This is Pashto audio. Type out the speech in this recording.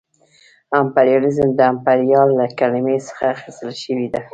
امپریالیزم د امپریال له کلمې څخه اخیستل شوې ده